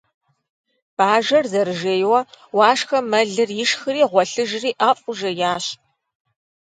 Бажэр зэрыжейуэ, Уашхэм мэлыр ишхри гъуэлъыжри ӀэфӀу жеящ.